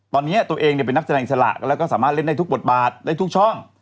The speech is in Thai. ตอนนี้ตัวเองเป็นนักแสดงอิสระแล้วก็สามารถเล่นได้ทุกบทบาทได้ทุกช่อง